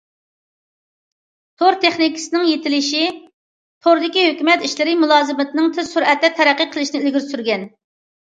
تور تېخنىكىسىنىڭ يېتىلىشى توردىكى ھۆكۈمەت ئىشلىرى مۇلازىمىتىنىڭ تېز سۈرئەتتە تەرەققىي قىلىشىنى ئىلگىرى سۈرگەن.